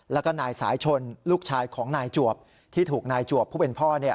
แล้วก็นายสายชนลูกชายของนายจวบที่ถูกนายจวบผู้เป็นพ่อ